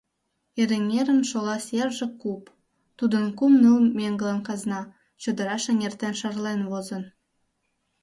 Эреҥерын шола серже — куп, тудо кум-ныл меҥгылан казна, чодыраш эҥертен шарлен возын.